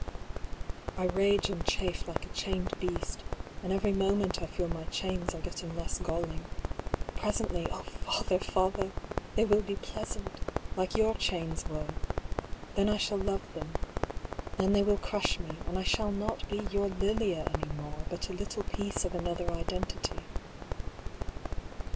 I rage and chafe like a chained beast, and every mo ment I feel my chains are getting less galling — present 9 124 I>R. PAULL'S THEORY. ly, oh, father, father ! they will be pleasant, like your chains were — then I shall love them — then they will crush me, and I shall not be your Lilia any more, but a little piece of another identity.